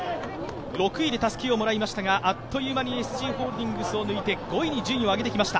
６位でたすきをもらいましたが、あっという間にＳＧホールディングスを抜いて５位に上げてきました。